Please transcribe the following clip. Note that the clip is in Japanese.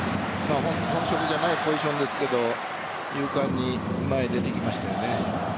本職じゃないポジションですけど勇敢に前に出てきましたよね。